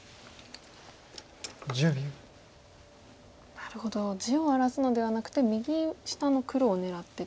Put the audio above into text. なるほど地を荒らすのではなくて右下の黒を狙ってと。